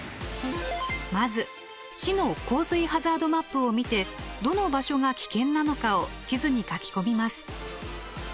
まず市の洪水ハザードマップを見てどの場所が危険なのかを地図に書き込みます。